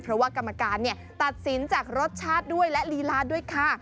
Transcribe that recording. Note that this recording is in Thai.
เพราะว่ากรรมการตัดสินจากรสชาติด้วยและลีลาด้วยค่ะ